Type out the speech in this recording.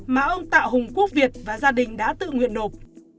mà ông tạ hùng quốc việt và gia đình đã tự nguyện nộp